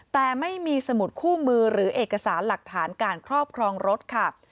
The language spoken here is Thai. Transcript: แต่ไม่มีสมุดคู่มือหรือเอกสารหลักฐานการครอบครองรถค่ะ